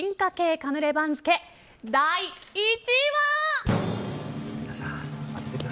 カヌレ番付第１位は。